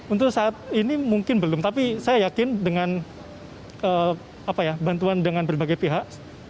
untuk saat ini mungkin belum tapi saya yakin dengan bantuan dengan berbagai pihak